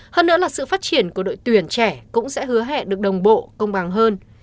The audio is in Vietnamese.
hơn nữa là sự phát triển của đội tuyển trẻ cũng sẽ hứa hẹn được đồng bộ công bằng hơn